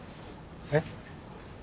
えっ？